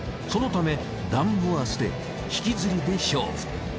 そのためダンブは捨て引き釣りで勝負。